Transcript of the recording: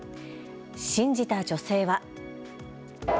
信じた女性は。